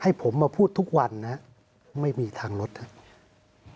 ให้ผมมาพูดทุกวันนะไม่มีทางลดนะครับ